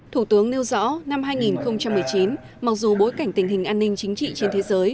thủ tướng nêu rõ năm hai nghìn một mươi chín mặc dù bối cảnh tình hình an ninh chính trị trên thế giới